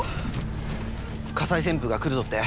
火災旋風が来るぞって